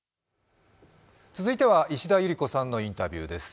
続いては石田ゆり子さんのインタビューです。